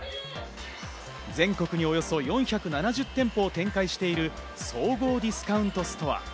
全国におよそ４７０店舗を展開している総合ディスカウントストア。